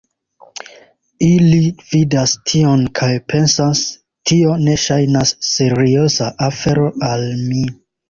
Ili vidas tion kaj pensas "Tio ne ŝajnas serioza afero al mi"